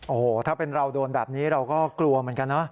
โอ้โหถ้าเป็นเราโดนแบบนี้เราก็กลัวเหมือนกันนะ